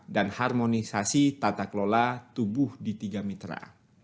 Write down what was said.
dan harmonisasi tata kelola tubuh di tiga mitra